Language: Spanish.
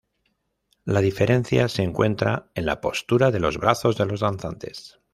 La diferencia se encuentra en la postura de los brazos de los danzantes.